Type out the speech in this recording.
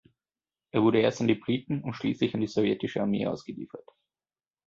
Er wurde erst an die Briten und schließlich an die sowjetische Armee ausgeliefert.